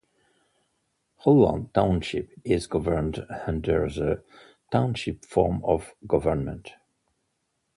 Holland Township is governed under the Township form of government.